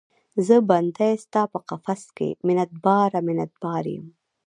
زه بندۍ ستا په قفس کې، منت باره، منت بار یم